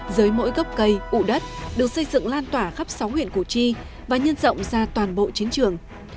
dưới mỗi gốc cây ụ đất được xây dựng lan tỏa khắp sáu huyện củ chi và nhân rộng ra toàn bộ chiến trường